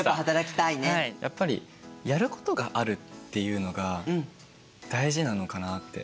やっぱりやることがあるっていうのが大事なのかなって。